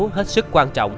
hết sức quan trọng